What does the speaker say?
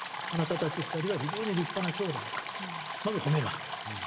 あなたたち２人は非常に立派な兄弟だとまず褒めます。